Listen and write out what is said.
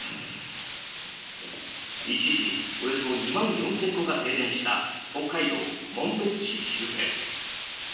一時、およそ２万４０００戸が停電した北海道紋別市周辺。